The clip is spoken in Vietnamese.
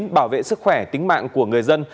bảo vệ sức khỏe tính mạng của người dân